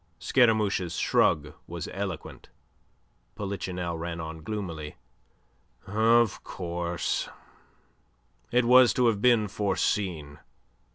Scaramouche's shrug was eloquent. Polichinelle ran on gloomily: "Of course it was to have been foreseen.